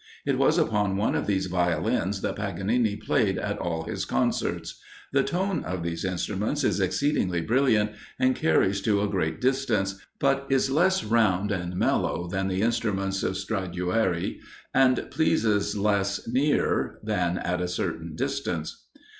It was upon one of these Violins that Paganini played at all his concerts. The tone of these instruments is exceedingly brilliant, and carries to a great distance, but is less round and mellow than the instruments of Stradiuari, and pleases less near than at a certain distance.